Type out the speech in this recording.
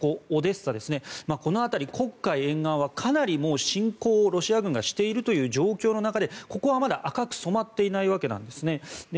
オデッサですねこの辺り、黒海沿岸はかなり侵攻をロシア軍がしているという状況の中でここはまだ赤く染まっていないわけですね。